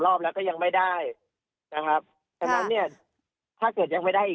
รอบแล้วก็ยังไม่ได้นะครับฉะนั้นเนี่ยถ้าเกิดยังไม่ได้อีก